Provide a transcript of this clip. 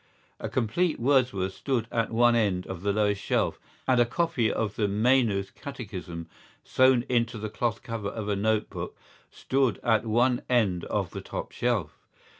A complete Wordsworth stood at one end of the lowest shelf and a copy of the Maynooth Catechism, sewn into the cloth cover of a notebook, stood at one end of the top shelf.